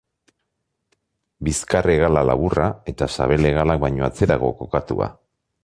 Bizkar-hegala laburra eta sabel-hegalak baino atzerago kokatua.